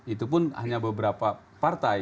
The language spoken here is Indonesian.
itu pun hanya beberapa partai